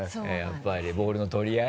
はいボールの取り合い。